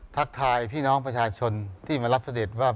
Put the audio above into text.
ทักทายพี่น้องประชาชนที่มารับเสด็จว่า